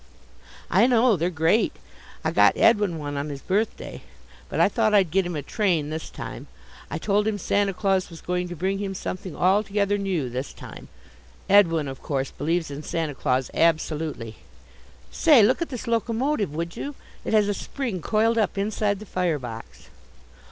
"I know, they're great. I got Edwin one on his birthday. But I thought I'd get him a train this time. I told him Santa Claus was going to bring him something altogether new this time. Edwin, of course, believes in Santa Claus absolutely. Say, look at this locomotive, would you? It has a spring coiled up inside the fire box."